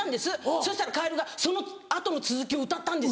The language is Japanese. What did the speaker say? そしたらカエルがその後の続きを歌ったんですよ。